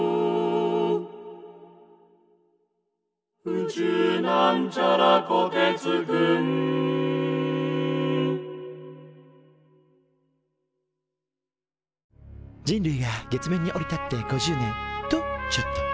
「宇宙」人類が月面に降り立って５０年。とちょっと。